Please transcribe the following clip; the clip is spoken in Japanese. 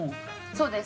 そうです。